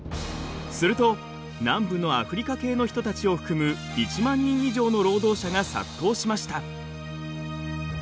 すると南部のアフリカ系の人たちを含む１万人以上の労働者が殺到しました。